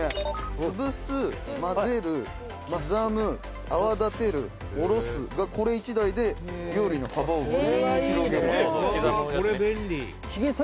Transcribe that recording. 潰す、混ぜる、刻む泡立てる、おろすがこれ一台で料理の幅を無限に広げる」